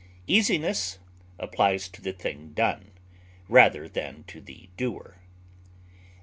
Easiness applies to the thing done, rather than to the doer.